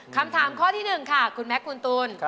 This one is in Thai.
คำถามข้อที่๑ค่ะคุณแม็กคุณตูน